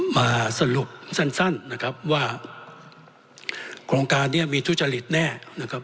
มาสรุปสั้นนะครับว่าโครงการนี้มีทุจริตแน่นะครับ